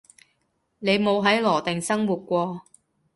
你冇喺羅定生活過